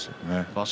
場所